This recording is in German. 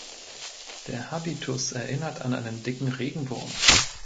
Der Habitus erinnert an einen dicken Regenwurm.